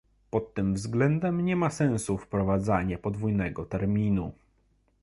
Pod tym względem nie ma sensu wprowadzanie podwójnego terminu